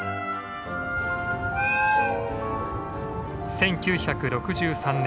１９６３年